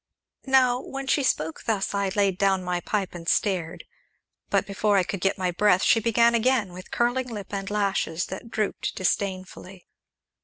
Now, when she spoke thus, I laid down my pipe and stared, but, before I could get my breath, she began again, with curling lip and lashes that drooped disdainfully.